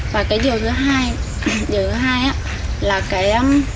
và điều thứ hai